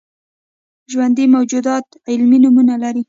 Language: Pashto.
ژوندي موجودات علمي نومونه لري